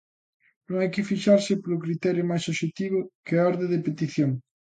¿Non hai que fixarse polo criterio máis obxectivo que é a orde de petición?